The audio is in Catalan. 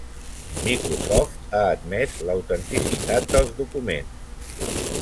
Microsoft ha admès l'autenticitat dels documents.